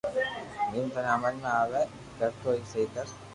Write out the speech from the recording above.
جيم ٿني ھمج مي آوي ڪر تو سھي ڪر